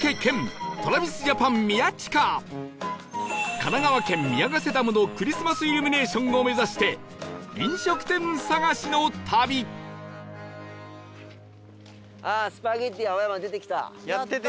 神奈川県宮ヶ瀬ダムのクリスマスイルミネーションを目指して飲食店探しの旅やってて！